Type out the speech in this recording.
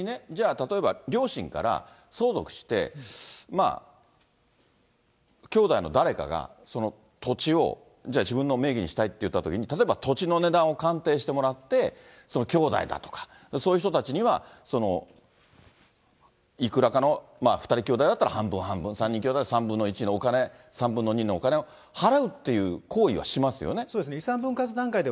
例えば、両親から相続して、きょうだいの誰かがその土地をじゃあ、自分の名義にしたいっていったときに、例えば、土地の値段を鑑定してもらって、その兄弟だとか、そういう人たちには、いくらかの、２人きょうだいだったら半分半分、３人きょうだいだったら３分の１のお金、３分の２のお金を払うとそうですね。